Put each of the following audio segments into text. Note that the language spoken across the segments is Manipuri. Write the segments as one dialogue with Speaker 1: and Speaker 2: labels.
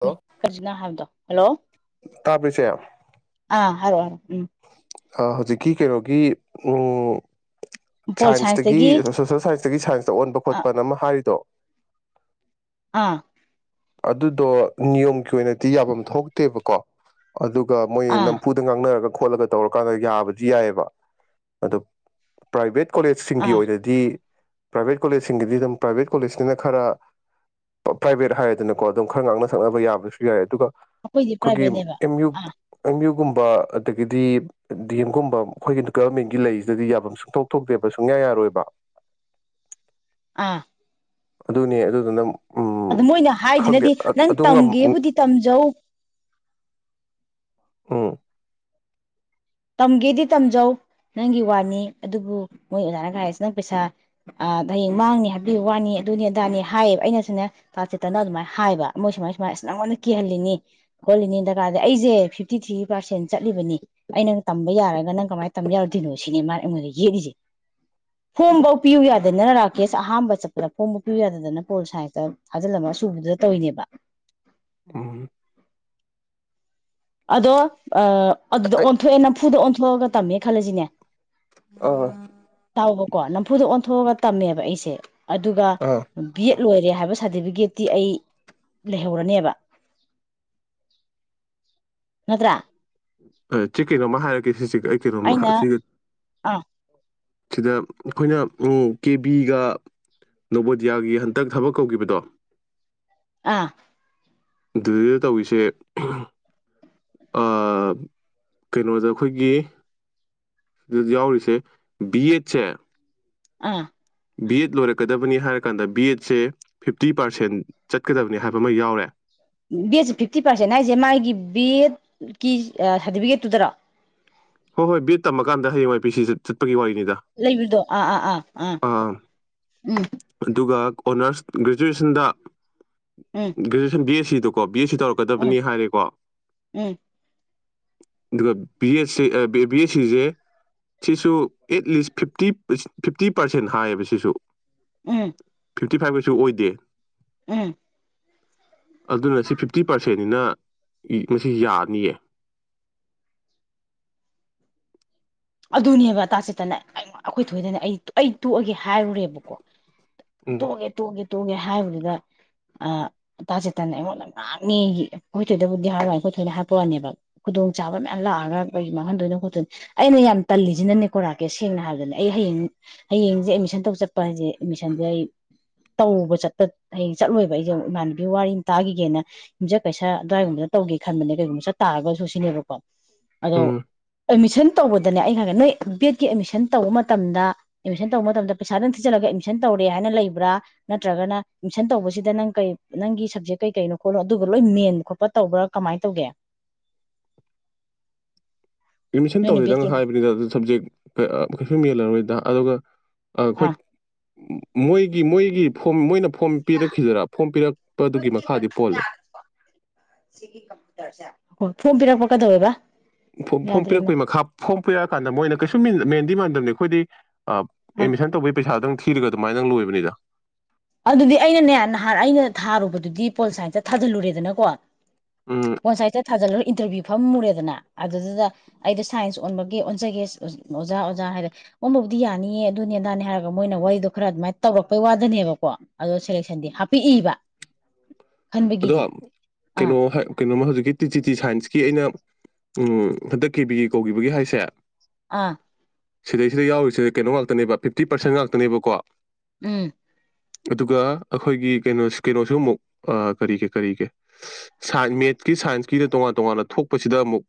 Speaker 1: ꯍꯜꯂꯣ
Speaker 2: ꯀꯖꯤꯅꯥ ꯍꯥꯕꯗꯣ ꯍꯜꯂꯣ
Speaker 1: ꯇꯥꯕ꯭ꯔ ꯏꯆꯦ
Speaker 2: ꯑ ꯍꯥꯏꯔꯣ ꯍꯥꯏꯔꯣ ꯎꯝ
Speaker 1: ꯑꯥ ꯍꯧꯖꯤꯛꯀꯤ ꯀꯩꯅꯣꯒꯤ ꯎ
Speaker 2: ꯎꯝ ꯄꯣꯜ
Speaker 1: ꯁꯥꯏꯟꯁꯇꯒꯤ ꯁꯣꯁꯦꯜ ꯁꯥꯏꯟꯁꯇꯒꯤ ꯁꯥꯏꯟꯁꯇ ꯑꯣꯟꯕ
Speaker 2: ꯑꯥ
Speaker 1: ꯈꯣꯠꯄꯅ ꯑꯃ ꯍꯥꯏꯔꯤꯗꯣ
Speaker 2: ꯑꯥ
Speaker 1: ꯑꯗꯨꯗꯣ ꯅꯤꯌꯣꯝꯒꯤ ꯑꯣꯏꯅꯗꯤ ꯌꯥꯕꯝ ꯊꯣꯛꯇꯦꯕꯀꯣ ꯑꯗꯨꯒ ꯃꯣꯏ
Speaker 2: ꯑꯥ
Speaker 1: ꯅꯝꯐꯨꯗ ꯉꯥꯡꯅꯔꯒ ꯈꯣꯠꯂꯒ ꯇꯧꯔꯀꯥꯟꯗ ꯌꯥꯕꯗꯤ ꯌꯥꯏꯌꯥꯕ ꯑꯗꯣ ꯄ꯭ꯔꯥꯏꯚꯦꯠ ꯀꯣꯂꯦꯖꯁꯤꯡꯒꯤ
Speaker 2: ꯑꯥ
Speaker 1: ꯑꯣꯏꯅꯗꯤ ꯄ꯭ꯔꯥꯏꯚꯦꯠ ꯀꯣꯂꯦꯖꯁꯤꯡꯒꯤꯗꯤ ꯑꯗꯨꯝ ꯄ꯭ꯔꯥꯏꯚꯦꯠ ꯀꯣꯂꯦꯖꯅꯤꯅ ꯈꯔ ꯄ꯭ꯔꯥꯏꯚꯦꯠ ꯍꯥꯏ ꯑꯗꯨꯅꯀꯣ ꯑꯗꯨꯝ ꯈꯔ ꯉꯥꯡꯅ ꯁꯛꯅꯕ ꯌꯥꯕꯁꯨ ꯌꯥꯏ ꯑꯗꯨꯒ
Speaker 2: ꯑꯩꯈꯣꯏꯗꯤ
Speaker 1: ꯈꯨꯒꯤ
Speaker 2: ꯄ꯭ꯔꯥꯏꯚꯦꯠꯅꯦꯕ
Speaker 1: ꯑꯦꯝ ꯌꯨ
Speaker 2: ꯑꯥ
Speaker 1: ꯑꯦꯝ ꯌꯨꯒꯨꯝ ꯑꯗꯒꯤꯗꯤ ꯗꯤ ꯑꯦꯝꯒꯨꯝꯕ ꯑꯈꯣꯏꯒꯤ ꯒꯃꯦꯟꯒꯤ ꯂꯩꯖꯤꯗꯗꯤ ꯌꯥꯕꯝ ꯁꯨꯡꯊꯣꯛ ꯊꯣꯛꯇꯦꯕ ꯁꯨꯡꯌꯥ ꯌꯥꯔꯣꯏꯕ
Speaker 2: ꯑꯥ
Speaker 1: ꯑꯗꯨꯅꯦ ꯑꯗꯨꯗꯨ ꯅ
Speaker 2: ꯑꯗꯨ ꯃꯣꯏꯅ ꯍꯥꯏꯗꯨꯅꯗꯤ ꯅꯪ
Speaker 1: ꯉꯝ
Speaker 2: ꯇꯝꯒꯦꯕꯨꯗꯤ ꯇꯝꯖꯧ
Speaker 1: ꯎꯝ
Speaker 2: ꯇꯝꯒꯦꯗꯤ ꯇꯝꯖꯧ ꯅꯪꯒꯤ ꯋꯥꯅꯤ ꯑꯗꯨꯕꯨ ꯃꯣꯏ ꯑꯣꯖꯥꯅ ꯀꯥꯏꯔꯤꯁ ꯅꯪ ꯄꯩꯁꯥ ꯍꯌꯦꯡ ꯃꯥꯡꯅꯤ ꯍꯥꯏꯕꯤ ꯋꯥꯅꯤ ꯑꯗꯨꯅꯤ ꯑꯗꯥꯅꯤ ꯍꯥꯏꯕ ꯑꯩꯅꯁꯨꯅꯦ ꯇꯥ ꯆꯤꯠꯇꯅ ꯑꯗꯨꯃꯥꯏꯅ ꯍꯥꯏꯕ ꯃꯣꯏ ꯁꯨꯃꯥꯏ ꯁꯨꯃꯥꯏ ꯑꯁ ꯅꯪꯉꯣꯟꯗ ꯀꯤꯍꯜꯂꯤꯅꯤ ꯈꯣꯠꯂꯤꯅꯤ ꯗꯔꯀꯥꯔꯗꯤ ꯑꯩꯖꯦ ꯐꯤꯐꯇꯤ ꯊ꯭ꯔꯤ ꯄꯥꯔꯁꯦꯟ ꯆꯠꯂꯤꯕꯅꯤ ꯑꯩꯅ ꯇꯝꯕ ꯌꯥꯔꯒ ꯅꯪ ꯀꯃꯥꯏꯅ ꯇꯝꯕ ꯌꯥꯔꯨꯗꯣꯏꯅꯣ ꯁꯤꯅꯦ ꯃꯥꯅ ꯑꯩꯉꯣꯟꯗ ꯌꯦꯠꯂꯤꯖꯦ ꯐꯣꯝꯕꯧꯎ ꯄꯤꯌꯨ ꯌꯥꯗꯅ ꯔꯥꯀꯦꯁ ꯑꯍꯥꯥꯝꯕ ꯆꯠꯄꯗ ꯐꯣꯝꯕꯧꯎ ꯄꯤꯌꯨ ꯌꯥꯗꯅ ꯄꯣꯜ ꯁꯥꯏꯟꯁꯇ ꯊꯥꯖꯤꯜꯂꯝꯕ ꯑ ꯁꯨꯕꯗꯨꯗ ꯇꯧꯏꯅꯦꯕ
Speaker 1: ꯎꯝ
Speaker 2: ꯑꯗꯣ ꯑ ꯑꯗꯨꯗ
Speaker 1: ꯑꯩ
Speaker 2: ꯑꯣꯟꯊꯣꯛꯑꯦ ꯅꯝꯐꯨ ꯗ ꯑꯣꯟ ꯊꯣꯛꯑꯒ ꯇꯝꯃꯦ ꯈꯜꯂꯖꯤꯅꯦ
Speaker 1: ꯑ
Speaker 2: ꯀꯣ ꯅꯝꯐꯨꯗ ꯑꯣꯟꯊꯣꯛꯑꯒ ꯇꯝꯃꯦꯕ ꯑꯩꯁꯦ ꯑꯗꯨꯒ
Speaker 1: ꯑꯥ
Speaker 2: ꯕꯤ ꯑꯦꯡ ꯂꯣꯏꯔꯦ ꯍꯥꯏꯕ ꯁꯥꯗꯤꯕꯤꯒꯦꯠꯇꯤ ꯑꯩ ꯂꯩꯍꯧꯔꯅꯦꯕ ꯅꯠꯇ꯭ꯔꯥ
Speaker 1: ꯑ ꯆꯦ ꯀꯩꯅꯣꯝꯃ ꯍꯥꯏꯔꯛꯀꯦ ꯁꯤꯖꯦ ꯑꯩ ꯀꯩꯅꯣꯝꯃ
Speaker 2: ꯑꯩꯅ
Speaker 1: ꯁꯤꯖꯦ
Speaker 2: ꯑꯥ
Speaker 1: ꯁꯤꯗ ꯑꯩꯈꯣꯏꯅ ꯀꯦꯕꯤꯒ ꯅꯕꯣꯗꯤꯌꯥꯒꯤ ꯍꯟꯇꯛ ꯊꯕꯛ ꯀꯧꯒꯤꯕꯗꯣ
Speaker 2: ꯑꯥ
Speaker 1: ꯗꯨꯗ ꯇꯧꯋꯤꯁꯦ ꯑ ꯀꯩꯅꯣꯗ ꯑꯩꯈꯣꯏꯒꯤ ꯑꯗ ꯌꯥꯎꯔꯤꯁꯦ ꯕꯤ ꯑꯦꯗꯁꯦ
Speaker 2: ꯑꯥ
Speaker 1: ꯕꯤ ꯑꯦꯗ ꯂꯣꯏꯔꯛꯀꯗꯕꯅꯤ ꯍꯥꯏꯔ ꯀꯥꯟꯗ ꯕꯤ ꯑꯦꯗꯁꯦ ꯐꯤꯞꯇꯤ ꯄꯥꯔꯁꯦꯟ ꯆꯠꯀꯗꯕꯅꯤ ꯍꯥꯏꯕ ꯑꯃ ꯌꯥꯎꯔꯦ
Speaker 2: ꯕꯦꯗꯁꯦ ꯐꯤꯐꯇꯤ ꯄꯥꯔꯁꯦꯟ ꯍꯥꯏꯖꯦ ꯃꯥꯏꯒꯤ ꯕꯦꯗ ꯀꯤ ꯁꯥꯔꯇꯤꯐꯤꯀꯦꯠꯇꯨꯗꯔꯣ
Speaker 1: ꯍꯣ ꯍꯣꯏ ꯕꯤ ꯑꯦꯗ ꯇꯝꯃꯀꯥꯟꯗ ꯍꯌꯦꯡꯋꯥꯏ ꯄꯤꯁꯤ ꯆꯠꯄꯒꯤ ꯋꯥꯔꯤ
Speaker 2: ꯂꯩꯕꯗꯣ ꯑꯥ ꯑꯥ ꯑꯥ ꯑꯥ ꯎꯝ
Speaker 1: ꯑꯗꯨꯒ ꯑꯣꯅꯔꯁ ꯒ꯭ꯔꯦꯖꯨꯑꯦꯁꯟꯗ
Speaker 2: ꯎꯝ
Speaker 1: [inaudible] ꯁꯤꯗꯣ ꯀꯣꯞ ꯕꯤ ꯑꯦꯗ ꯁꯨ
Speaker 2: ꯎꯝ
Speaker 1: ꯇꯧꯔꯛꯀꯗꯕꯅꯤ ꯍꯥꯏꯔꯦꯀꯣ
Speaker 2: ꯎꯝ
Speaker 1: ꯑꯗꯨꯒ ꯕꯤ ꯑꯦꯗ ꯁꯤ ꯑ ꯕꯤ ꯑꯦ ꯁꯤꯖꯦ ꯁꯤꯁꯨ at least fifty fifty percent ꯍꯥꯏꯌꯦꯕ ꯁꯤꯁꯨ
Speaker 2: ꯎꯝ
Speaker 1: ꯐꯤꯐꯇꯤ ꯐꯥꯏꯚꯑꯁꯨ ꯑꯣꯏꯗꯦ
Speaker 2: ꯎꯝ
Speaker 1: ꯑꯗꯨꯅ ꯁꯤ ꯐꯤꯞꯇꯤ ꯄꯥꯔꯁꯦꯟꯅꯤꯅ ꯏ ꯁꯤ ꯌꯥꯅꯤꯌꯦ
Speaker 2: ꯑꯗꯨꯅꯦꯕ ꯇꯥꯆꯦꯇꯟꯅ ꯑꯩ ꯑꯩꯈꯣꯏ ꯊꯣꯏꯗꯅ ꯑꯩ ꯑꯩ ꯇꯣꯛꯑꯒꯦ ꯍꯥꯏꯔꯨꯔꯦꯕꯀꯣ
Speaker 1: ꯎꯝ
Speaker 2: ꯇꯣꯛꯑꯒꯦ ꯇꯣꯛꯑꯒꯦ ꯇꯣꯛꯑꯒꯦ ꯍꯥꯏꯕꯗꯨꯗ ꯑ ꯇꯥꯆꯦꯠꯇꯟꯅ ꯑꯩꯉꯣꯟꯗ ꯉꯥꯡꯉꯦꯌꯦ ꯑꯩꯈꯣꯏ ꯊꯣꯏꯗꯕꯨꯗꯤ ꯍꯥꯏꯔꯣꯏ ꯑꯩꯈꯣꯏ ꯊꯣꯏꯅ ꯍꯥꯄꯛꯄ ꯋꯥꯅꯦꯕ ꯈꯨꯗꯣꯡ ꯆꯥꯕ ꯃꯌꯥꯝ ꯂꯥꯛꯑꯒ ꯀꯩꯒꯤ ꯃꯥꯡꯍꯟꯗꯣꯏꯅ ꯈꯣꯠꯇꯣꯏꯅ ꯑꯩꯅ ꯌꯥꯝ ꯇꯜꯂꯤꯖꯤꯅꯅꯦꯀꯣ ꯔꯥꯀꯦꯁ ꯁꯦꯡꯅ ꯍꯥꯏꯔꯕꯗꯅꯦ ꯑꯩ ꯍꯌꯦꯡ ꯍꯌꯦꯡꯖꯦ ꯑꯦꯃꯤꯁꯟ ꯇꯧ ꯆꯠꯄ ꯍꯥꯏꯖꯦ ꯑꯦꯃꯤꯁꯟꯖꯦ ꯑꯩ ꯇꯧꯕ ꯆꯠꯄ ꯍꯌꯦꯡ ꯆꯠꯂꯣꯏꯕ ꯑꯩꯖꯦ ꯏꯃꯥꯟꯅꯕꯤ ꯋꯥꯔꯤ ꯑꯃ ꯇꯥꯒꯤꯒꯦꯅ ꯌꯨꯝꯖꯀꯩꯁ ꯑꯗꯥꯏꯒꯨꯝꯕꯗ ꯇꯧꯒꯦ ꯈꯟꯕꯅꯦ ꯀꯩꯒꯨꯝꯕ ꯆꯠ ꯇꯥꯔꯒꯁꯨ ꯁꯤꯅꯦꯕꯀꯣ ꯑꯗꯣ
Speaker 1: ꯎꯝ
Speaker 2: ꯑꯦꯗꯃꯤꯁꯟ ꯇꯧꯕꯗꯅꯦ ꯑꯩꯅ ꯈꯪ ꯅꯣꯏ ꯕꯤ ꯑꯦꯗꯀꯤ ꯑꯦꯗꯃꯤꯁꯟ ꯇꯧꯕ ꯃꯇꯝꯗ ꯑꯦꯗꯃꯤꯁꯟ ꯇꯧꯕ ꯃꯇꯝꯗ ꯄꯩꯁꯥ ꯗꯪ ꯊꯤꯖꯤꯜꯂꯒ ꯑꯦꯗꯃꯤꯁꯟ ꯇꯧꯔꯦ ꯍꯥꯏꯅ ꯂꯩꯕ꯭ꯔꯥ ꯅꯠꯇ꯭ꯔꯒꯅ ꯑꯦꯃꯤꯁꯟ ꯇꯧꯕꯖꯤꯗ ꯅꯪ ꯀꯩ ꯅꯪꯒꯤ ꯁꯕꯖꯦꯛ ꯀꯩ ꯀꯩꯅꯣ ꯈꯣꯠꯅꯣ ꯑꯗꯨꯒ ꯂꯣꯏ ꯃꯦꯟ ꯈꯣꯠꯄ ꯇꯧꯕ꯭ꯔꯥ ꯀꯃꯥꯏ ꯇꯧꯒꯦ
Speaker 1: ꯑꯦꯃꯤꯁꯟ
Speaker 2: ꯅꯣꯏꯅ
Speaker 1: ꯇꯧꯔꯦꯗꯪ
Speaker 2: ꯕꯦꯠꯀꯤ
Speaker 1: ꯍꯥꯏꯕꯅꯤꯗ ꯑꯗꯨ ꯁꯞꯖꯦꯛ ꯀꯩꯁꯨꯝ ꯍꯦꯜꯂꯔꯣꯏꯗ ꯑꯗꯨꯒ ꯑ ꯈꯣꯏ
Speaker 2: ꯑꯥ
Speaker 1: ꯃꯣꯏꯒꯤ ꯃꯣꯏꯒꯤ ꯐꯣꯝ ꯃꯣꯏꯅ ꯐꯣꯝ ꯄꯤꯔꯛꯈꯤꯗꯔꯥ ꯐꯣꯝ ꯄꯤꯔꯛꯄꯗꯨꯒꯤ ꯃꯈꯥꯗꯤ ꯄꯣꯜꯂꯦ
Speaker 2: ꯀꯗꯧꯌꯦꯕ
Speaker 1: ꯐꯣꯝ ꯄꯤꯔꯛꯄꯒꯤ ꯃꯈꯥ ꯐꯣꯝ ꯄꯤꯔꯛꯑꯀꯥꯟꯗ ꯃꯣꯏꯅ ꯀꯩꯁꯨ ꯃꯦꯟꯗꯤ ꯃꯥꯟꯗꯕꯅꯤꯀꯣ ꯈꯣꯏꯗꯤ ꯑ
Speaker 2: ꯑꯥ
Speaker 1: ꯑꯦꯃꯤꯁꯟ ꯇꯧꯕꯩ ꯄꯩꯁꯥ ꯗꯪ ꯊꯤꯔꯒ ꯑꯗꯨꯃꯥꯏ ꯗꯪ ꯂꯣꯏꯕꯅꯤꯗ
Speaker 2: ꯑꯗꯨꯗꯤ ꯑꯩꯅꯅꯦ ꯅꯍꯥꯟ ꯑꯩꯅ ꯊꯥꯔꯨꯕꯗꯨꯗꯤ ꯄꯣꯜ ꯁꯥꯏꯟꯁꯇ ꯊꯥꯖꯤꯜꯂꯨꯔꯦꯗꯅꯀꯣ
Speaker 1: ꯎꯝ
Speaker 2: [unintelligible] ꯏꯟꯇꯔꯕꯤꯌꯨ ꯐꯝꯃꯨꯔꯦꯗꯅ ꯑꯗꯨꯗꯨꯗ ꯑꯩꯗꯣ ꯁꯥꯏꯟꯁ ꯑꯣꯟꯕꯒꯤ ꯑꯣꯟꯖꯒꯦ ꯑꯣꯖꯥ ꯑꯣꯖꯥ ꯍꯥꯏꯔ ꯑꯣꯟꯕꯕꯨꯗꯤ ꯌꯥꯅꯤꯌꯦ ꯑꯗꯨꯅꯤ ꯑꯗꯥꯅꯦ ꯍꯥꯏꯔꯒ ꯃꯣꯏꯅ ꯋꯥꯔꯤꯗꯣ ꯈꯔ ꯑꯗꯨꯃꯥꯏꯅ ꯇꯧꯔꯛꯄꯩ ꯋꯥꯗꯅꯦꯕ ꯀꯣ ꯑꯗꯣ ꯁꯦꯂꯦꯛꯁꯟꯗꯤ ꯍꯥꯄ ꯏꯕ
Speaker 1: ꯑꯗꯣ ꯀꯩꯅꯣ ꯀꯩꯅꯣꯃ ꯍꯖꯤꯀꯤ ꯇꯤ ꯆꯤ ꯇꯤ ꯁꯥꯏꯟꯁꯀꯤ ꯑꯩꯅ ꯎ ꯍꯟꯗꯛ ꯀꯦꯕꯤ ꯀꯧꯒꯤꯕꯒꯤ ꯍꯥꯏꯁꯦ
Speaker 2: ꯑꯥ
Speaker 1: ꯁꯤꯗꯩꯁꯤꯗ ꯌꯥꯎꯔꯤꯁꯦ ꯀꯩꯅꯣ ꯉꯥꯛꯇꯅꯦꯕ ꯐꯤꯞꯇꯤ ꯄꯥꯔꯁꯦꯟ ꯉꯥꯛꯇꯅꯦꯕꯀꯣ
Speaker 2: ꯎꯝ
Speaker 1: ꯑꯗꯨꯒ ꯑꯈꯣꯏꯒꯤ ꯀꯩꯅꯣ ꯀꯩꯅꯣꯁꯨ ꯑꯃꯨꯛ ꯀꯔꯤꯒꯤ ꯀꯔꯤꯒꯤ ꯁꯥꯟ ꯃꯦꯠꯀꯤ ꯁꯥꯏꯟꯁꯀꯤꯅ ꯇꯣꯉꯥꯟ ꯇꯣꯉꯥꯟꯅ ꯊꯣꯛꯄꯁꯤꯗ ꯑꯃꯨꯛ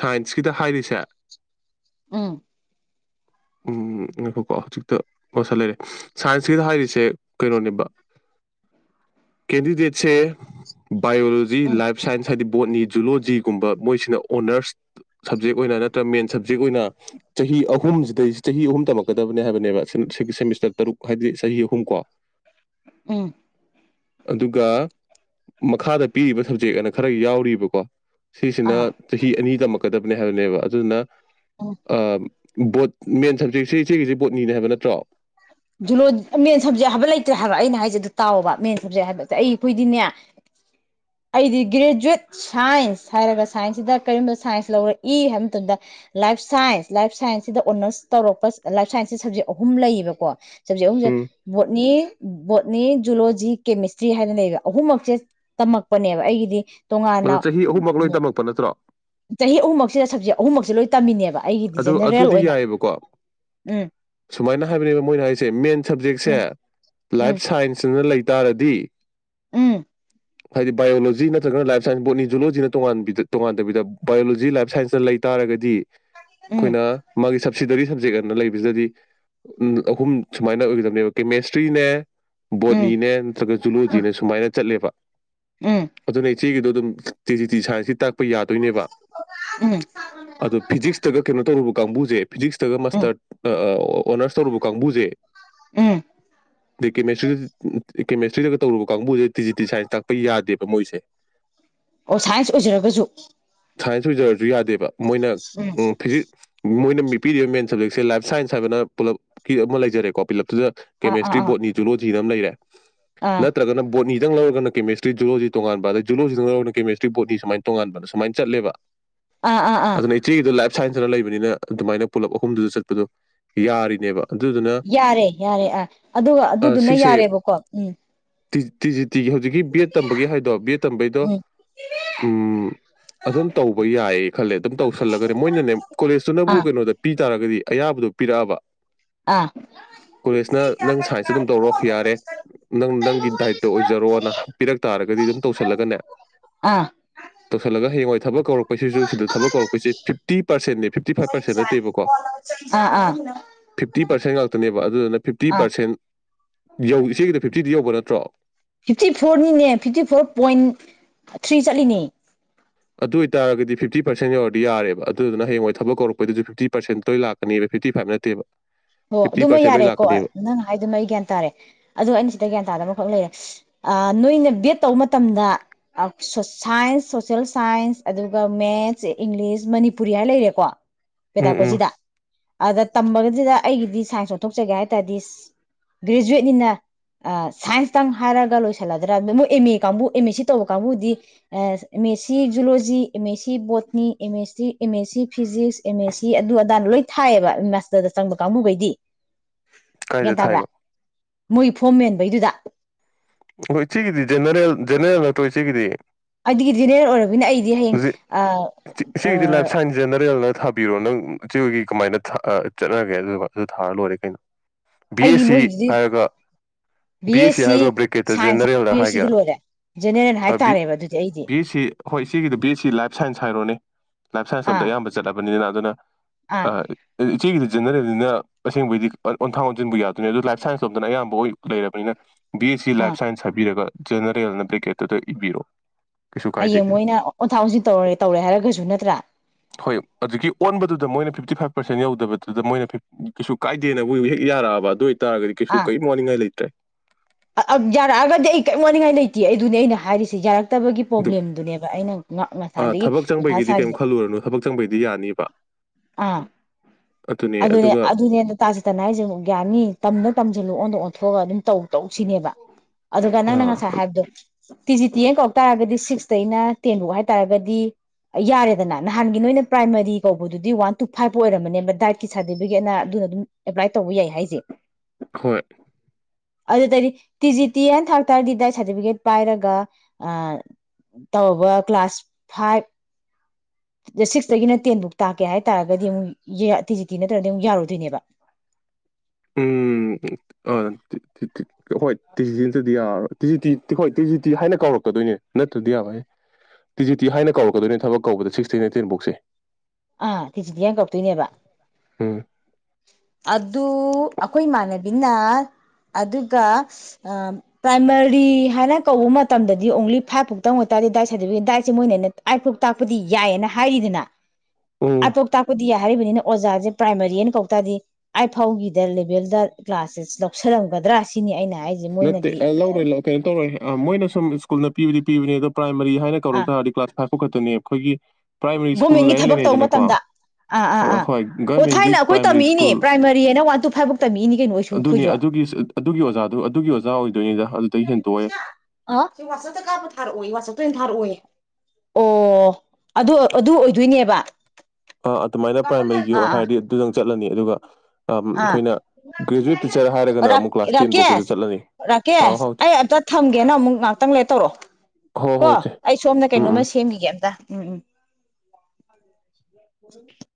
Speaker 1: ꯁꯥꯏꯟꯁꯀꯤꯗ ꯍꯥꯏꯔꯤꯁꯦ
Speaker 2: ꯑꯪ
Speaker 1: ꯎꯝ ꯉꯥꯏꯈꯣꯀꯣ ꯍꯧꯖꯤꯛꯇ ꯑꯣꯁꯤ ꯂꯩꯔꯦ ꯁꯥꯏꯟꯁꯀꯤꯗ ꯍꯥꯏꯔꯤꯁꯦ ꯀꯩꯅꯣꯅꯦꯕ ꯀꯦꯟꯗꯤꯗꯦꯠꯁꯦ ꯕꯥꯌꯣꯂꯣꯖꯤ
Speaker 2: ꯎꯝ
Speaker 1: ꯂꯥꯏꯐ ꯁꯥꯏꯟꯁ ꯍꯥꯏꯗꯤ ꯕꯣꯠꯅꯤ ꯖꯨꯂꯣꯖꯤꯒꯨꯝꯕ ꯃꯣꯏꯁꯤꯅ ꯑꯣꯅꯔꯁ ꯁꯕꯖꯦꯛ ꯑꯣꯏꯅ ꯅꯠꯇ꯭ꯔ ꯃꯦꯟ ꯁꯕꯖꯦꯛ ꯑꯣꯏꯅ ꯆꯍꯤ ꯑꯍꯨꯝꯁꯤꯗꯩꯁꯤ ꯆꯍꯤ ꯑꯍꯨꯝ ꯇꯝꯂꯃꯛꯀꯗꯕꯅꯦ ꯍꯥꯏꯕꯅꯦꯕ ꯁꯦꯃꯤꯁꯇꯔ ꯇꯔꯨꯛ ꯍꯥꯏꯗꯤ ꯆꯍꯤ ꯑꯍꯨꯝ ꯀꯣ
Speaker 2: ꯎꯝ
Speaker 1: ꯑꯗꯨꯒ ꯃꯈꯥꯗ ꯄꯤꯔꯤꯕ ꯁꯕꯖꯦꯛ ꯑꯅ ꯈꯔ ꯌꯥꯎꯔꯤꯕꯀꯣ ꯁꯤꯁꯤꯅ
Speaker 2: ꯑꯥ
Speaker 1: ꯆꯍꯤ ꯑꯅꯤꯗꯃꯛ ꯀꯗꯕꯅꯤ ꯍꯥꯏꯕꯅꯦꯕ ꯑꯗꯨꯅ
Speaker 2: ꯎꯝ
Speaker 1: ꯑꯥ ꯕꯣꯠ ꯃꯦꯟ ꯁꯕꯖꯦꯛꯁꯦ ꯏꯆꯦꯒꯤꯖꯦ ꯕꯣꯠꯅꯤꯅꯦ ꯍꯥꯏꯕ ꯅꯠꯇ꯭ꯔꯣ
Speaker 2: ꯖꯨꯂꯣ ꯃꯦꯟ ꯁꯕꯖꯦꯛ ꯍꯥꯏꯕ ꯂꯩꯇ꯭ꯔꯦ ꯍꯥꯏꯕ ꯑꯩꯅ ꯍꯥꯏꯖꯦ ꯑꯗꯨꯇꯥꯎꯕ ꯃꯦꯟ ꯁꯕꯖꯦꯛ ꯍꯥꯏꯕꯁꯦ ꯑꯩ ꯑꯩꯈꯣꯏꯗꯤꯅꯦ ꯑꯩꯗꯤ ꯒ꯭ꯔꯦꯖꯨꯋꯦꯠ ꯁꯥꯏꯟꯁ ꯍꯥꯏꯔꯒ ꯁꯥꯏꯟꯁꯁꯤꯗ ꯀꯔꯤꯒꯨꯝꯕ ꯁꯥꯏꯟꯁ ꯂꯧꯔꯛꯏ ꯍꯥꯏꯕ ꯃꯇꯝꯗ ꯂꯥꯏꯐ ꯁꯥꯏꯟꯁ ꯂꯥꯏꯐ ꯁꯥꯏꯟꯁꯁꯤꯗ ꯑꯣꯅꯔꯁ ꯇꯧꯔꯛꯄ ꯂꯥꯏꯐ ꯁꯥꯏꯟꯁꯁꯤ ꯁꯞꯖꯦꯛ ꯑꯍꯨꯝ ꯂꯩꯌꯦꯕꯀꯣ ꯁꯕꯖꯦꯛ ꯑꯍꯨꯝꯖꯦ
Speaker 1: ꯎꯝ
Speaker 2: ꯕꯣꯠꯅꯤ ꯕꯣꯠꯅꯤ ꯖꯨꯂꯣꯖꯤ ꯀꯦꯃꯤꯁꯇ꯭ꯔꯤ ꯍꯥꯏꯅ ꯂꯩꯕ ꯑꯍꯨꯝꯃꯛꯁꯦ ꯇꯝꯃꯛꯄꯅꯦꯕ ꯑꯩꯒꯤꯗꯤ ꯇꯣꯉꯥꯟꯅ
Speaker 1: ꯑꯗ ꯆꯍꯤ ꯑꯍꯨꯝꯃꯛ ꯂꯣꯏ ꯇꯝꯃꯛꯄ ꯅꯠꯇ꯭ꯔꯣ
Speaker 2: ꯆꯍꯤ ꯑꯍꯨꯝꯃꯛꯁꯤꯗ ꯁꯞꯖꯦꯛ ꯑꯍꯨꯝꯃꯛꯁ ꯂꯣꯏ ꯇꯝꯃꯤꯅꯦꯕ ꯑꯩꯒꯤꯗꯤ
Speaker 1: ꯑꯗꯨ
Speaker 2: ꯖꯦꯅꯦꯔꯦꯜ
Speaker 1: ꯑꯗꯨꯗꯤ
Speaker 2: ꯑꯣꯏꯅ
Speaker 1: ꯌꯥꯏꯌꯥꯕꯀꯣ
Speaker 2: ꯎꯝ
Speaker 1: ꯁꯨꯃꯥꯏꯅ ꯍꯥꯏꯕꯅꯦꯕ ꯃꯣꯏꯅ ꯍꯥꯏꯁꯦ ꯃꯦꯟ ꯁꯕꯖꯦꯛꯁꯦ
Speaker 2: ꯎꯝ
Speaker 1: ꯂꯥꯏꯞ ꯁꯥꯏꯟꯁꯅ ꯂꯩ ꯇꯥꯔꯗꯤ
Speaker 2: ꯎꯝ
Speaker 1: ꯍꯥꯏꯗꯤ ꯕꯥꯏꯑꯣꯂꯣꯖꯤ ꯅꯠꯇ꯭ꯔꯒꯅ ꯂꯥꯏꯞ ꯁꯥꯏꯟꯁ ꯕꯣꯠꯅꯤꯖꯨꯂꯣꯖꯤꯅ ꯇꯣꯉꯥꯟꯗ ꯇꯣꯉꯥꯟꯗꯕꯤꯗ ꯕꯥꯏꯑꯣꯂꯣꯖꯤ ꯂꯥꯏꯞ ꯁꯥꯏꯟꯁꯇ ꯂꯩ ꯇꯥꯔꯒꯗꯤ
Speaker 2: ꯎꯝ
Speaker 1: ꯈꯣꯏꯅ ꯃꯥꯒꯤ ꯁꯤꯗꯔꯤ ꯁꯞꯖꯦꯛ ꯑꯅ ꯂꯩꯕꯁꯤꯗꯗꯤ ꯑꯍꯨꯝ ꯁꯨꯃꯥꯏꯅ ꯑꯣꯏꯒꯗꯕꯅꯦꯕ ꯀꯦꯃꯦꯁꯇ꯭ꯔꯤꯅꯦ
Speaker 2: ꯎꯝ ꯎꯝ
Speaker 1: ꯕꯣꯠꯅꯤꯅꯦ ꯅꯠꯇ꯭ꯔꯒ ꯖꯨꯂꯣꯖꯤꯅꯦ ꯁꯨꯃꯥꯏꯅ ꯆꯠꯂꯦꯕ
Speaker 2: ꯎꯝ
Speaker 1: ꯒꯤꯗꯣ ꯑꯗꯨꯝ ꯇꯤ ꯖꯤ ꯇꯤ ꯁꯥꯏꯟꯁꯀꯤ ꯇ ꯌꯥꯗꯣꯏꯅꯦꯕ
Speaker 2: ꯎꯝ ꯎꯝ
Speaker 1: ꯑ ꯐꯤꯖꯤꯛꯁ ꯇꯒ ꯀꯩꯅꯣ ꯇꯧꯔꯨꯕ ꯀꯥꯡꯕꯨꯁꯦ ꯐꯤꯖꯤꯛꯁꯇꯒ
Speaker 2: ꯎꯝ
Speaker 1: ꯃꯥꯁꯇꯔ ꯑ ꯑ ꯑꯣ ꯑꯣꯅꯔꯁ ꯇꯧꯔꯨꯕ ꯀꯥꯡꯕꯨꯁꯦ
Speaker 2: ꯎꯝ
Speaker 1: ꯗ ꯀꯦꯃꯦꯁꯇ꯭ꯔꯤ ꯀꯦꯃꯦꯁꯇ꯭ꯔꯤꯗꯒ ꯇꯧꯔꯨꯕ ꯀꯥꯡꯕꯨꯁꯦ ꯗꯤꯖꯤꯇꯤ ꯁꯥꯏꯟꯁ ꯇꯥꯛꯄ ꯌꯥꯗꯦꯕ ꯃꯣꯏꯁꯦ
Speaker 2: ꯑꯣ ꯁꯥꯏꯟꯁ ꯑꯣꯏꯖꯔꯒꯁꯨ
Speaker 1: ꯁꯥꯏꯟꯁ ꯁꯣꯏꯖꯔꯁꯨ ꯌꯥꯗꯦꯕ ꯃꯣꯏꯅ ꯎꯝ ꯐꯤꯖ ꯃꯣꯏꯅ ꯄꯤꯔꯤꯕ ꯃꯦꯟ ꯁꯕꯖꯦꯛꯁꯦ ꯂꯥꯏꯞ ꯁꯥꯏꯟꯁ ꯍꯥꯏꯕ ꯄꯨꯂꯞ ꯀꯤ ꯑꯃ ꯂꯩꯖꯔꯦꯀꯣ ꯄꯨꯂꯞ
Speaker 2: ꯑꯥ ꯑꯥ
Speaker 1: ꯀꯃꯦꯁꯇ꯭ꯔꯤ
Speaker 2: ꯑꯥ
Speaker 1: ꯚꯣꯠꯅꯤ ꯓꯨ ꯖꯤ ꯑꯃ ꯂꯩꯔꯦ
Speaker 2: ꯑꯥ
Speaker 1: ꯅꯠꯇ꯭ꯔꯒꯅ ꯕꯣꯠꯅꯤ ꯗꯪ ꯂꯧꯔꯒꯅ ꯀꯦꯃꯦꯁꯇꯔꯤ ꯖꯨꯂꯣꯖꯤ ꯇꯣꯉꯥꯟꯕ ꯑꯗ ꯖꯨꯂꯣꯖꯤ ꯂꯧꯔꯒꯅ ꯀꯦꯃꯦꯁꯇ꯭ꯔꯤ ꯕꯣꯠꯅꯤ ꯁꯨꯃꯥꯏꯟ ꯇꯣꯉꯥꯟꯕ ꯁꯨꯃꯥꯏꯅ ꯆꯠꯂꯦꯕ
Speaker 2: ꯑꯥ ꯑꯥ ꯑꯥ
Speaker 1: ꯑꯩꯒꯤꯗꯣ ꯂꯥꯏꯞ ꯁꯥꯏꯟꯁꯇꯅ ꯂꯩꯕꯅꯤꯅ ꯑꯗꯨꯃꯥꯏꯅ ꯄꯨꯂꯞ ꯑꯍꯨꯝꯗꯨꯗ ꯆꯠꯄꯗꯣ ꯌꯥꯔꯤꯅꯦꯕ ꯑꯗꯨꯗꯨꯅ
Speaker 2: ꯌꯥꯔꯦ ꯌꯥꯔꯦ ꯑ ꯑꯗꯨꯒ ꯑꯗꯨꯗꯨꯅ ꯌꯥꯔꯦꯕꯀꯣ ꯎꯝ
Speaker 1: T G T G T ꯍꯧꯖꯤꯛꯀꯤ ꯕꯤ ꯑꯦꯠ ꯇꯝꯕꯒꯤ ꯍꯥꯏꯗꯣ ꯕꯤꯑꯦꯠ ꯇꯝꯕꯒꯤꯗꯣ
Speaker 2: ꯎꯝ
Speaker 1: ꯎꯝ ꯑꯗꯨꯝ ꯇꯧꯕ ꯌꯥꯏꯌꯦ ꯈꯜꯂꯦ ꯑꯗꯨꯝ ꯇꯧ ꯈꯜꯂꯒꯅꯧ ꯃꯣꯏꯅꯅꯦ ꯀꯣꯂꯦꯁꯇꯨꯅꯕꯨ
Speaker 2: ꯑꯥ
Speaker 1: ꯀꯩꯅꯣꯗ ꯄꯤ ꯇꯔ ꯒꯗꯤ ꯑꯌꯥꯕꯗꯨ ꯄꯤꯔꯛꯑꯕ
Speaker 2: ꯑꯥ ꯑꯥ
Speaker 1: ꯀꯣꯂꯦꯖꯅ ꯅꯪ ꯁꯥꯏꯟꯁ ꯑꯗꯨꯝ ꯇꯧꯔꯣ ꯌꯥꯔꯦ ꯅꯪ ꯅꯪꯒꯤ ꯗꯥꯏꯠꯇ ꯑꯣꯏꯖꯔꯣꯅ ꯄꯤꯔꯛ ꯇꯥꯔꯒꯗꯤ ꯑꯗꯨꯝ ꯇꯧꯁꯤꯜꯂꯒꯅꯦ
Speaker 2: ꯑꯥ
Speaker 1: ꯇꯧꯁꯤꯜꯂꯒ ꯍꯌꯦꯡꯋꯥꯏ ꯊꯕꯛ ꯀꯧꯔꯛꯄꯁꯤꯁꯨ ꯁꯤꯗ ꯊꯕꯛ ꯀꯧꯔꯛ ꯄꯁꯦ ꯐꯤꯞꯇꯤ ꯄꯥꯔꯁꯦꯟꯅꯦ ꯐꯤꯞ
Speaker 2: ꯑ
Speaker 1: ꯐꯤꯞꯇꯤ
Speaker 2: ꯑ
Speaker 1: ꯄꯥꯔꯁꯦꯟ ꯉꯥꯛꯇꯅꯦꯕ ꯑꯗꯨꯗꯨꯅ ꯐꯤꯞꯇꯤ ꯄꯥꯔꯁꯦꯟ ꯌꯧ ꯏꯆꯦꯒꯤꯗꯣ ꯐꯤꯞꯇꯤꯗꯤ ꯌꯧꯕ ꯅꯠꯇ꯭ꯔꯣ
Speaker 2: ꯐꯤꯐꯇꯤ ꯐꯣꯔꯅꯤꯅꯦ ꯐꯤꯞꯇꯤ ꯐꯣꯔ ꯄꯣꯏꯟ ꯊ꯭ꯔꯤ ꯆꯠꯂꯤꯅꯦ
Speaker 1: ꯑꯗꯨ ꯑꯣꯏꯇꯥꯔꯒꯗꯤ ꯐꯤꯐꯇꯤ ꯄꯥꯔꯁꯦꯟ ꯌꯧꯔꯗꯤ ꯌꯥꯔꯦꯕ ꯑꯗꯨꯗꯨꯅ ꯍꯌꯦꯡꯋꯥꯏ ꯊꯕꯛ ꯀꯧꯔꯛꯄꯗꯨꯗꯤ ꯐꯤꯞꯇꯤ ꯄꯥꯔꯁꯦꯟ ꯂꯣꯏ ꯂꯥꯛꯀꯅꯦꯕ ꯐꯤꯞꯇꯤ ꯐꯥꯏꯚ ꯅꯠꯇꯦꯕ
Speaker 2: ꯑꯣ
Speaker 1: ꯐꯤꯞꯇꯤ
Speaker 2: ꯑꯗꯨꯃ
Speaker 1: ꯄꯥꯔꯁꯦꯟ ꯂꯣꯏ
Speaker 2: ꯌꯥꯔꯦꯀꯣ
Speaker 1: ꯂꯥꯛꯀꯅꯦꯕ
Speaker 2: ꯅꯪ ꯍꯥꯏꯗꯨꯃ ꯑꯩ ꯒ꯭ꯌꯥꯟ ꯇꯥꯔꯦ ꯑꯗꯣ ꯑꯩꯅ ꯁꯤꯗ ꯒ꯭ꯌꯥꯟ ꯇꯥꯗꯕ ꯑꯃꯈꯛ ꯂꯩꯔꯦ ꯑ ꯅꯣꯏꯅ ꯕꯤ ꯑꯦꯗ ꯇꯧꯕ ꯃꯇꯝꯗ ꯁꯥꯏꯟꯁ ꯁꯣꯁꯦꯜ ꯁꯥꯏꯟꯁ ꯑꯗꯨꯒ ꯃꯦꯠꯁ ꯏꯪꯂꯤꯁ ꯃꯅꯤꯄꯨꯔꯤ ꯍꯥꯏ ꯂꯩꯔꯦꯀꯣ ꯄꯦꯗꯥ
Speaker 1: ꯎꯝ
Speaker 2: ꯀꯣ
Speaker 1: ꯎꯝ
Speaker 2: ꯖꯤꯗꯥ ꯑꯗ ꯇꯝꯕꯒꯁꯤꯗ ꯑꯩꯒꯤꯗꯤ ꯁꯥꯏꯟꯁ ꯑꯣꯟꯊꯣꯛꯆꯒꯦ ꯍꯥꯏ ꯇꯥꯔꯗꯤ ꯒ꯭ꯔꯦꯖꯨꯋꯦꯠꯅꯤꯅ ꯁꯥꯏꯟꯁꯇꯪ ꯍꯥꯏꯔꯒ ꯂꯣꯏꯁꯜꯂꯗ꯭ꯔꯥ ꯃꯣꯏ ꯑꯦꯝ ꯑꯦ ꯀꯥꯡꯕꯨ ꯑꯦꯝ ꯑꯦꯁ ꯁꯤ ꯇꯧꯕ ꯀꯥꯡꯕꯨꯗꯤ M S C zoology M S C botany M S C M S C physics M S C ꯑꯗꯨ ꯑꯗꯥ ꯂꯣꯏ ꯊꯥꯌꯦꯕ ꯃꯥꯁꯇꯔꯗ ꯆꯪꯕ ꯀꯥꯡꯕꯨꯒꯩꯗꯤ
Speaker 1: ꯀꯥꯏꯗ ꯊꯥꯏꯕ
Speaker 2: ꯃꯣꯏ ꯐꯣꯝ ꯃꯦꯟꯕꯩꯗꯨꯗ
Speaker 1: ꯍꯣꯏ ꯆꯦꯒꯤꯗꯤ ꯖꯦꯅꯔꯦꯜ ꯖꯦꯅꯔꯦꯜ ꯅꯠꯇ꯭ꯔꯣ ꯏꯆꯦꯒꯤꯗꯤ
Speaker 2: ꯑꯧꯗꯤ ꯖꯦꯅꯔꯦꯜ ꯑꯣꯏꯔꯕꯅꯤꯅ ꯑꯩꯗꯤ ꯍꯌꯦꯡ ꯑ ꯑ
Speaker 1: ꯏꯆꯦꯒꯤꯗꯤ ꯂꯥꯏꯐ ꯁꯥꯏꯟꯁ ꯖꯦꯅꯔꯦꯜꯅ ꯊꯥꯕꯤꯔꯣ ꯅꯪ ꯏꯆꯦ ꯍꯣꯏꯒꯤ ꯀꯃꯥꯏꯅ ꯊꯥ ꯆꯠꯅꯒꯦ ꯑꯗꯨ ꯑꯗꯨ ꯊꯥꯔ ꯂꯣꯏꯔꯦ ꯀꯩꯅꯣ ꯕꯤ
Speaker 2: ꯑꯩꯒꯤ
Speaker 1: ꯑꯦꯁ ꯁꯤ
Speaker 2: ꯃꯣꯏꯒꯤꯗꯨꯗꯤ
Speaker 1: ꯍꯥꯏꯔꯒ ꯕꯤ ꯑꯦꯁ ꯁꯤ ꯍꯥꯏꯔꯒ ꯕ꯭ꯔꯦꯛ ꯇ
Speaker 2: ꯁꯥꯏꯟꯁ
Speaker 1: ꯖꯦꯅꯔꯦꯜ ꯂ
Speaker 2: ꯕꯤ ꯑꯦꯁ ꯁꯤꯗꯤ
Speaker 1: ꯍꯥꯏꯒꯦꯔ
Speaker 2: ꯂꯣꯏꯔꯦ ꯖꯦꯅꯦꯔꯦꯜ
Speaker 1: ꯑ ꯕꯤ
Speaker 2: ꯍꯥꯏꯇꯥꯔꯦꯕ ꯑꯗꯨꯗꯤ ꯑꯩꯗꯤ
Speaker 1: ꯕꯤ ꯑꯦ ꯁꯤ ꯍꯣꯏ ꯏꯆꯦꯒꯤꯗ ꯕꯤ ꯑꯦ ꯁꯤ ꯂꯥꯏꯐ ꯁꯥꯏꯟꯁ ꯍꯥꯏꯔꯣꯅꯦ ꯂꯥꯏꯐ ꯁꯥꯏꯟꯁ ꯂꯣꯝꯗ
Speaker 2: ꯑꯥ
Speaker 1: ꯑꯌꯥꯝꯕ ꯆꯠꯂꯕꯅꯤꯅ ꯑꯗꯨꯅ
Speaker 2: ꯑꯥ
Speaker 1: ꯑ ꯏꯆꯦꯒꯤ ꯖꯦꯅꯔꯦꯜꯅꯤꯅ ꯑꯁꯦꯡꯕꯩꯗꯤ ꯑꯣꯟꯊꯥꯡ ꯑꯣꯟꯖꯤꯟꯕꯨ ꯌꯥꯗꯣꯏꯅꯤ ꯑꯗꯨ ꯂꯥꯏꯐ ꯁꯥꯏꯟꯁꯂꯣꯝꯗꯅ ꯑꯌꯥꯝꯕ ꯑꯣꯏ ꯂꯩꯔꯕꯅꯤꯅ ꯕꯤ ꯁꯤ
Speaker 2: ꯑꯥ
Speaker 1: ꯂꯥꯏꯐ ꯁꯥꯏꯟꯁ ꯍꯥꯏꯕꯤꯔꯒ ꯖꯦꯅꯔꯦꯜꯅ ꯕ꯭ꯔꯦꯀꯦꯠꯇꯨꯗ ꯏꯕꯤꯔꯣ ꯀꯩꯁꯨ ꯀꯥꯏꯗꯦ
Speaker 2: ꯍꯌꯦꯡ ꯃꯣꯏꯅ ꯑꯣꯟꯊꯥ ꯑꯣꯟꯖꯤꯟ ꯇꯧꯔꯦ ꯇꯧꯔꯦ ꯍꯥꯏꯔꯒꯖꯨ ꯅꯠꯇ꯭ꯔꯥ
Speaker 1: ꯐꯤꯐꯇꯤ ꯐꯥꯏꯚ ꯄꯥꯔꯁꯦꯟ ꯌꯧꯗꯕꯗꯨꯗ ꯃꯣꯏꯅ ꯐꯤꯐ ꯀꯩꯁꯨ ꯀꯥꯏꯗꯦꯅꯕꯨ ꯍꯦꯛ ꯌꯥꯔꯛꯑꯕ ꯑꯗꯨ ꯑꯣꯏꯗꯤ ꯇꯥꯔꯒꯗꯤ ꯀꯩꯁꯨ ꯀꯩꯝ ꯋꯥꯅꯤꯡꯉꯥꯏ ꯂꯩꯇ꯭ꯔꯦ
Speaker 2: ꯑ ꯌꯥꯔꯛꯑꯒꯗꯤ ꯑꯩ ꯀꯩꯝ ꯋꯥꯅꯤꯡꯉꯥꯏ ꯂꯩꯇꯦ ꯑꯩ ꯑꯗꯨꯅꯦ ꯑꯩꯅ ꯍꯥꯏꯔꯤꯁꯦ ꯌꯥꯔꯛ ꯇꯕꯒꯤ
Speaker 1: ꯑꯗꯨ
Speaker 2: ꯄ꯭ꯔꯣꯕ꯭ꯂꯦꯝꯗꯨꯅꯦꯕ ꯑꯩꯅ ꯉ
Speaker 1: ꯑ
Speaker 2: ꯉꯁꯥꯏꯗꯒꯤ
Speaker 1: ꯊꯕꯛ
Speaker 2: ꯃꯊꯥ
Speaker 1: ꯆꯪꯕꯒꯤꯗꯤ ꯀꯩꯝ
Speaker 2: ꯁꯥꯔꯤꯖꯦ
Speaker 1: ꯈꯜꯂꯨꯔꯅꯨ ꯊꯕꯛ ꯆꯪꯕꯩꯗꯤ ꯌꯥꯅꯤꯕ
Speaker 2: ꯑꯥ ꯑꯗꯨꯅꯦ ꯑꯗꯨꯅꯦ ꯇꯥꯆꯦꯇꯟꯅ ꯍꯥꯏꯖꯦ ꯑꯃꯨꯛ ꯌꯥꯅꯤ ꯇꯝꯅ ꯇꯝꯖꯤꯜꯂꯣ ꯑꯣꯟꯗ ꯑꯣꯟꯊꯣꯛꯑꯒ ꯑꯗꯨꯝ ꯇꯧ ꯇꯧꯁꯤꯅꯦꯕ ꯑꯗꯨꯒ
Speaker 1: ꯑ
Speaker 2: ꯅꯪꯅ ꯉꯁꯥꯏ ꯍꯥꯏꯕꯗꯣ ꯇꯤ ꯖꯤ ꯇꯤ ꯍꯥꯏꯅ ꯀꯧꯔꯛ ꯇꯥꯔꯒꯗꯤ ꯁꯤꯛꯁꯇꯩꯅ ꯇꯦꯟꯕꯣꯛ ꯍꯥꯏꯇꯥꯔꯒꯗꯤ ꯌꯥꯔꯦꯗꯅ ꯅꯍꯥꯟꯒꯤ ꯅꯣꯏꯅ ꯄ꯭ꯔꯥꯏꯃꯔꯤ ꯀꯧꯕꯗꯨꯗꯤ ꯋꯥꯟ ꯇꯨ ꯐꯥꯏꯚꯄꯣ ꯑꯣꯏꯔꯃꯅꯦꯕ ꯗꯥꯏꯠ ꯀꯤ ꯁꯥꯔꯇꯤꯕꯤꯀꯦꯠꯅ ꯑꯗꯨꯅ ꯑꯗꯨꯝ ꯑꯦꯄ꯭ꯂꯥꯏ ꯇꯧꯕ ꯌꯥꯏ ꯍꯥꯏꯖꯦ
Speaker 1: ꯍꯣꯏ
Speaker 2: ꯑꯗꯨꯗꯗꯤ ꯇꯤ ꯖꯤ ꯇꯤ ꯍꯥꯏꯅ ꯊꯥꯔꯛ ꯇꯥꯔꯗꯤ ꯗꯥꯏꯠ ꯁꯥꯔꯇꯤꯕꯤꯀꯦꯠ ꯄꯥꯏꯔꯒ ꯑ ꯇꯧꯔꯕ ꯀ꯭ꯂꯥꯁ ꯐꯥꯏꯚ ꯁꯤꯛꯁꯇꯒꯤꯅ ꯇꯦꯟꯕꯣꯛ ꯇꯥꯛꯀꯦ ꯍꯥꯏ ꯇꯥꯔꯒꯗꯤ ꯑꯃꯨꯛ ꯇꯤ ꯖꯤ ꯇꯤ ꯅꯠꯇ꯭ꯔꯗꯤ ꯑꯃꯨꯛ ꯌꯥꯔꯨꯗꯨꯏꯅꯦꯕ
Speaker 1: ꯎꯝ ꯑꯥ ꯍꯣꯏ ꯇꯤ ꯖꯤ ꯅꯠꯇ꯭ꯔꯗꯤ ꯌꯥꯔꯔꯣꯏ ꯇꯤꯖꯤ ꯇꯤ ꯍꯣꯏ ꯇꯤ ꯖꯤ ꯇꯤ ꯍꯥꯏꯅ ꯀꯧꯔꯛꯀꯗꯣꯏꯅꯦ ꯅꯠꯇ꯭ꯔꯗꯤ ꯌꯥꯔꯣꯏꯍꯦ ꯇꯤ ꯖꯤ ꯇꯤ ꯍꯥꯏꯅ ꯀꯧꯔꯛꯀꯗꯣꯏꯅꯦ ꯊꯕꯛ ꯀꯧꯕꯗ ꯁꯤꯛꯁꯇꯤꯟ ꯑꯥꯏꯇꯤꯟꯕꯣꯛꯁꯦ
Speaker 2: ꯑꯥ ꯇꯤ ꯖꯤ ꯇꯤ ꯍꯥꯏꯅ ꯀꯧꯔꯛꯇꯣꯏꯅꯦꯕ
Speaker 1: ꯎꯝ
Speaker 2: ꯑꯗꯨ ꯑꯩꯈꯣꯏ ꯃꯥꯟꯅꯕꯤꯅ ꯑꯗꯨꯒ ꯑ ꯄ꯭ꯔꯥꯏꯃꯔꯤ ꯍꯥꯏꯅ ꯀꯧꯕ ꯃꯇꯝꯗꯗꯤ ꯑꯣꯡꯂꯤ ꯐꯥꯏꯚ ꯐꯣꯛ ꯇꯪ ꯑꯣꯏꯇꯥꯥꯔꯗꯤ ꯗꯥꯏꯠ ꯁꯥꯔꯇꯤꯐꯤꯀꯦꯠ ꯗꯥꯏꯁꯦ ꯃꯣꯏꯅ ꯑꯩꯅ ꯑꯥꯏꯠ ꯐꯥꯎ ꯇꯥꯛꯄꯗꯤ ꯌꯥꯏꯌꯦꯅ ꯍꯥꯏꯔꯤꯗꯅ
Speaker 1: ꯎꯝ
Speaker 2: ꯑꯥ ꯑꯥꯇꯣꯛ ꯇꯥꯛꯄꯗꯤ ꯌꯥ ꯍꯥꯏꯔꯤꯕꯅꯤꯅ ꯑꯣꯖꯥꯁꯦ ꯄ꯭ꯔꯥꯏꯃꯔꯤꯑꯅ ꯀꯧ ꯇꯥꯔꯗꯤ ꯑꯥꯏꯠ ꯐꯥꯎꯒꯤꯗ ꯂꯦꯚꯦꯜꯗ ꯀ꯭ꯂꯥꯁꯁꯦ ꯂꯧꯁꯜꯂꯝꯒꯗ꯭ꯔ ꯁꯤꯅꯤ ꯑꯩꯅ ꯍꯥꯏꯁꯦ
Speaker 1: ꯅꯠꯇꯦ
Speaker 2: ꯃꯣꯏꯅꯗꯤ
Speaker 1: ꯂꯧꯔꯣꯏ ꯂꯧ ꯀꯩꯅꯣ ꯇꯧꯔꯣꯏ ꯑ ꯃꯣꯏꯅ ꯁꯨꯝ ꯁ꯭ꯀꯨꯜꯅꯗ ꯄꯤꯕꯗꯤ ꯄꯤꯕꯅꯤ ꯑꯗꯣ ꯄ꯭ꯔꯥꯏꯝ ꯃꯔꯤ ꯍꯥꯏꯅ ꯀꯧꯔ
Speaker 2: ꯑꯥ
Speaker 1: ꯇꯔꯗꯤ ꯀ꯭ꯂꯥꯁ ꯍꯥꯏꯄꯛꯀꯇꯣꯏꯅꯦ ꯑꯩꯈꯣꯏꯒꯤ ꯄ꯭ꯔꯥꯏꯃꯥꯔꯤ ꯁ꯭ꯀꯨꯜ
Speaker 2: ꯒꯣꯔꯃꯦꯟꯒꯤ
Speaker 1: ꯀꯥꯏꯅ
Speaker 2: ꯊꯕꯛ ꯇꯧꯕ
Speaker 1: ꯂꯩꯅꯩꯗꯅꯀꯣ
Speaker 2: ꯃꯇꯝꯗ ꯑꯥ ꯑꯥ
Speaker 1: ꯑ
Speaker 2: ꯑꯥ
Speaker 1: ꯍꯣꯏ
Speaker 2: ꯑꯣ
Speaker 1: ꯒꯃꯦꯟꯒꯤ
Speaker 2: ꯊꯥꯏꯅ ꯑꯩꯈꯣꯏ
Speaker 1: ꯄ꯭ꯔꯥꯏꯃꯥꯔꯤ
Speaker 2: ꯇꯝꯃꯛꯏꯅꯦ
Speaker 1: ꯁ꯭ꯀꯨꯜ
Speaker 2: ꯄ꯭ꯔꯥꯏꯃꯔꯤꯑꯅ ꯋꯥꯟ ꯇꯨ ꯐꯥꯏꯚꯐꯧ ꯇꯝꯃꯛꯏꯅꯤ ꯀꯩꯅꯣ ꯑꯩꯁꯨ
Speaker 1: ꯑꯗꯨꯅꯤ
Speaker 2: ꯑꯩꯈꯣꯏꯁꯨ
Speaker 1: ꯑꯗꯨꯒꯤ ꯑꯗꯨꯒꯤ ꯑꯣꯖꯥꯗꯨ ꯑꯗꯨꯒꯤ ꯑꯣꯖꯥ ꯑꯣꯏ
Speaker 2: ꯑꯥ ꯋꯥꯆꯞꯇ ꯀꯥꯞꯄ ꯊꯥꯔꯛꯑꯣꯌꯦ ꯋꯥꯆꯞꯇ ꯑꯣꯏꯅ ꯊꯥꯔꯛꯑꯣꯌꯦ ꯑꯣ ꯑꯗꯨ ꯑꯗꯨ ꯑꯣꯏꯗꯣꯏꯅꯦꯕ
Speaker 1: ꯑꯥ ꯑꯗꯨꯃꯥꯏꯅ ꯄ꯭ꯔꯥꯏꯃꯥꯔꯤꯒꯤ
Speaker 2: ꯑꯥ
Speaker 1: ꯑꯣꯏ
Speaker 2: ꯑꯥ
Speaker 1: ꯍꯥꯏꯔꯗꯤ ꯑꯗꯨ ꯆꯠꯂꯅꯤ ꯑꯗꯨꯒ ꯑꯝ
Speaker 2: ꯑꯥ
Speaker 1: ꯑꯩꯈꯣꯏꯅ ꯒ꯭ꯔꯦꯖꯨꯋꯦꯠ ꯇꯤꯆꯔ ꯍꯥꯏꯔꯒꯅ ꯑꯃꯨꯛ ꯀ꯭ꯂꯥꯁ ꯇꯦꯟꯕꯧꯀꯤꯗꯣ
Speaker 2: ꯔꯥꯀꯦꯁ
Speaker 1: ꯆꯠꯂꯅꯤ ꯍꯥꯎ
Speaker 2: ꯔꯥꯀꯦꯁ
Speaker 1: ꯍꯥꯎ ꯆꯦ
Speaker 2: ꯑꯩ ꯑꯝꯇ ꯊꯝꯒꯦ ꯅꯪ ꯑꯃꯨꯛ ꯉꯥꯏꯍꯥꯛꯇꯪ ꯂꯩꯔ ꯇꯧꯔꯛꯑꯣ
Speaker 1: ꯍꯣ
Speaker 2: ꯀꯣ
Speaker 1: ꯍꯣꯏ ꯆꯦ
Speaker 2: ꯑꯩ ꯁꯣꯝꯅ
Speaker 1: ꯎꯝ ꯎꯝ
Speaker 2: ꯀꯩꯅꯣꯝꯃ ꯁꯦꯝꯈꯤꯒꯦ ꯑꯝꯇ ꯎꯝ ꯎꯝ [unintelligible]